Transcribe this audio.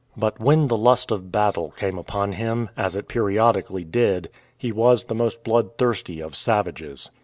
But when the lust of battle came upon him, as it periodically did, he was the most bloodthirsty of savages.